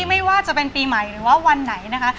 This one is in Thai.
ไม่ว่าจะเป็นปีใหม่หรือว่าวันไหนนะคะ